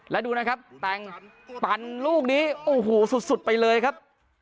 แล้วดูนะครับแต่งปั่นลูกนี้โอ้โหสุดไปเลยครับ